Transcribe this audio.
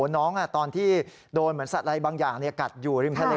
ตอนที่โดนเหมือนสัตว์อะไรบางอย่างกัดอยู่ริมทะเล